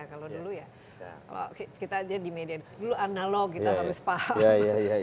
kalau dulu ya kita jadi media dulu analog kita harus paham